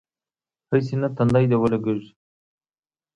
هسې نه تندی دې ولګېږي.